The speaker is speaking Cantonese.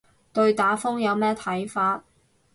對打風有咩睇法